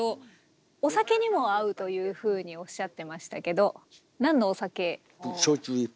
お酒にも合うというふうにおっしゃってましたけど何のお酒？